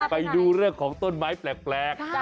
ไปดูเรื่องของต้นไม้แปลก